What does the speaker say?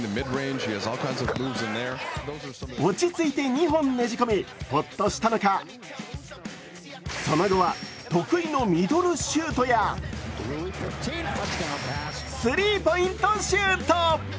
落ち着いて２本ねじ込みホッとしたのか、その後は、得意のミドルシュートやスリーポイントシュート。